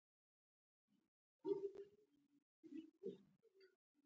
• شفقت او مینه په بدوي دوره کې بدیعي موضوعات وو.